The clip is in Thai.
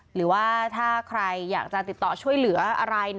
หรือว่าถ้าใครอยากจะติดต่อช่วยเหลืออะไร